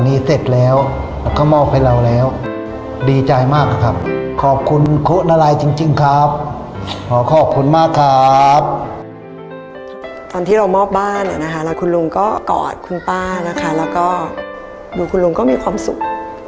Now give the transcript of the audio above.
ตอนนี้เรามอบบ้านอ่ะนะคะแล้วคุณลุงก็กอดคุณป้านะคะแล้วก็คือคุณลุงก็มีความสุข